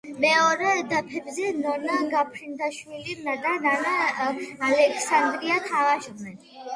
მეორე დაფებზე ნონა გაფრინდაშვილი და ნანა ალექსანდრია თამაშობდნენ.